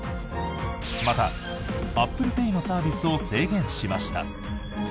また、アップルペイのサービスを制限しました。